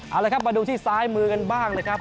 เอาละครับมาดูที่ซ้ายมือกันบ้างนะครับ